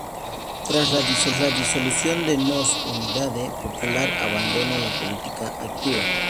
Tras la disolución de Nós-Unidade Popular abandonó la política activa.